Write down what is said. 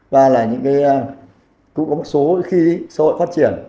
ba là những cái cũng có một số khi xã hội phát triển